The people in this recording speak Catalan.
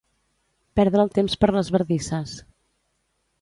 Perdre el temps per les bardisses.